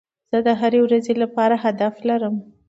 زه د هري ورځي لپاره هدف لرم.